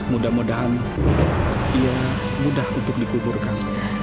mudah mudahan ia mudah untuk dikuburkan